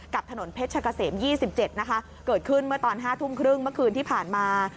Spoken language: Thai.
ถนนเพชรกะเสม๒๗นะคะเกิดขึ้นเมื่อตอน๕ทุ่มครึ่งเมื่อคืนที่ผ่านมา